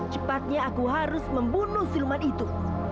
cepatnya aku harus membunuh silman itu